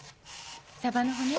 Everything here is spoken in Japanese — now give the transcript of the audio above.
サバの骨？